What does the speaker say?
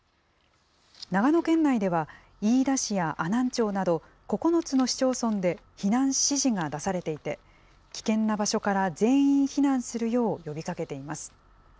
長野県内では飯田市や阿南町など、９つの市町村で避難指示が出されていて、危険な場所から全員避難するよう呼びかけています。